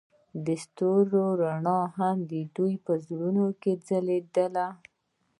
د ستوري رڼا هم د دوی په زړونو کې ځلېده.